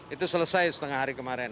itu selesai setengah hari kemarin